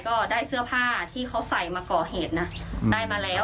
ก็ได้เสื้อผ้าที่เขาใส่มาก่อเหตุนะได้มาแล้ว